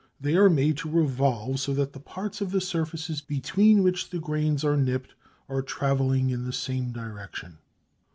They are made to revolve so that the parts of the surfaces between which the grains are nipped are travelling in the same direction.